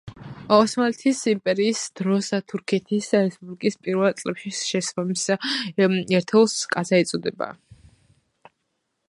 ოსმალეთის იმპერიის დროს და თურქეთის რესპუბლიკის პირველ წლებში შესაბამის ერთეულს კაზა ეწოდებოდა.